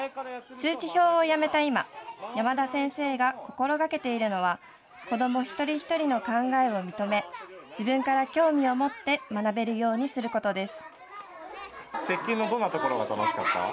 通知表をやめた今、山田先生が心がけているのは、子ども一人一人の考えを認め、自分から興味を持って学べるようにすることです。